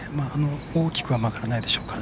大きくは曲がらないでしょうから。